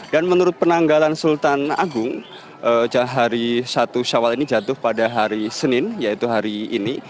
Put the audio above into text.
dan menurut penanggalan sultan agung hari satu syawal ini jatuh pada hari senin yaitu hari ini